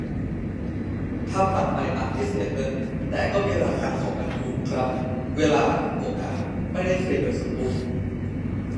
ทำบัตรใหม่อาจไม่เสียเงิน แต่ก็มีราคาของมันอยู่ครับ เวลา โอกาส ไม่ได้ฟรีโดยสมบูรณ์